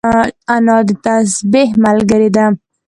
انا د تسبيح ملګرې ده